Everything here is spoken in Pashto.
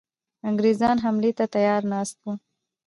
انګرېزان حملې ته تیار ناست وه.